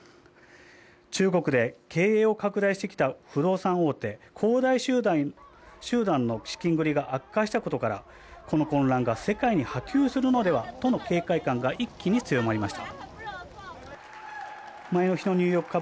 中国で経営を拡大してきた不動産大手、恒大集団の資金繰りが悪化したことから、この混乱が世界に波及するのではとの警戒感が一気に強まりました。